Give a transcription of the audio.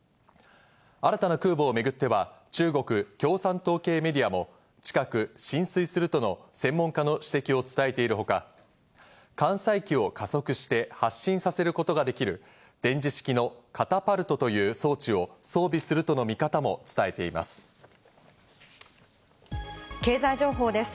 新たな空母をめぐっては中国共産党系メディアも近く進水するとの専門家の指摘を伝えているほか、艦載機を加速して発進させることができる電磁式のカタパルトという装置を装備するとの見方も伝えて経済情報です。